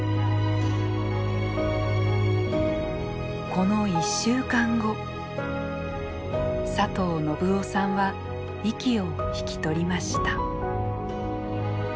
この１週間後佐藤信男さんは息を引き取りました。